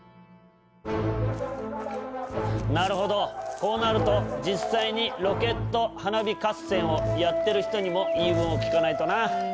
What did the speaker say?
こうなると実際にロケット花火合戦をやってる人にも言い分を聞かないとな。